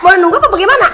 boleh nunggu apa bagaimana